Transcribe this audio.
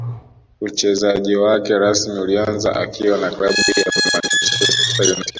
Uchezaji wake rasmi ulianza akiwa na klabu ya Manchester united